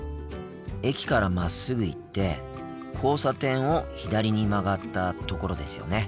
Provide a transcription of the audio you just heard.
駅からまっすぐ行って交差点を左に曲がったところですよね？